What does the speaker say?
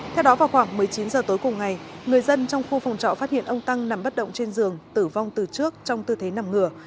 theo đó vào khoảng một mươi chín h tối cùng ngày người dân trong khu phòng trọ phát hiện ông tăng nằm bất động trên giường tử vong từ trước trong tư thế nằm ngửa